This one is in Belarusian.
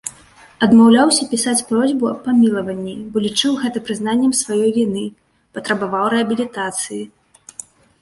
Адмаўляўся пісаць просьбу аб памілаванні, бо лічыў гэта прызнаннем сваёй віны, патрабаваў рэабілітацыі.